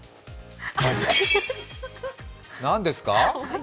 何ですか？